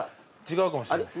違うかもしれない。